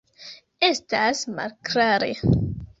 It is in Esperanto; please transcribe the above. Estas malklare.